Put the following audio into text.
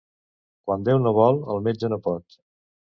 Quan Déu no vol, el metge no pot.